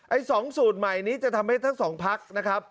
๒สูตรใหม่นี้จะทำให้ทั้งสองพักนะครับ